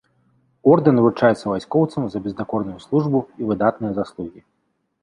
Ордэн уручаецца вайскоўцам за бездакорную службу і выдатныя заслугі.